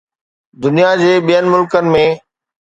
دنيا جي ٻين ملڪن ۾